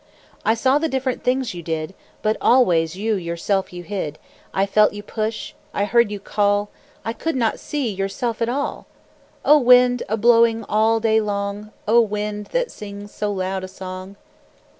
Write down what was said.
I saw the different things you did, But always you yourself you hid. I felt you push, I heard you call, I could not see yourself at all O wind, a blowing all day long! O wind, that sings so loud a song!